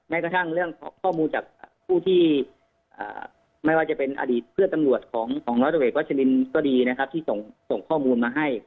กระทั่งเรื่องข้อมูลจากผู้ที่ไม่ว่าจะเป็นอดีตเพื่อนตำรวจของร้อยตำรวจเอกวัชลินก็ดีนะครับที่ส่งข้อมูลมาให้